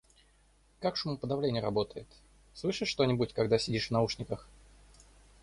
Как шумоподавление работает? Слышишь что-нибудь, когда сидишь в наушниках?